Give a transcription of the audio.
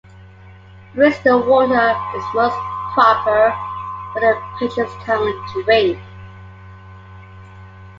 Bristol Water is most proper for the patient's common drink.